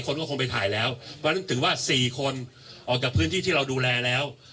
คนก็คงไปถ่ายแล้วเพราะฉะนั้นถึงว่า๔คนออกจากพื้นที่ที่เราดูแลแล้ว